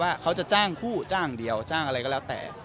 ว่าเขาจะจ้างคู่จ้างเดียวจ้างอะไรก็แล้วแต่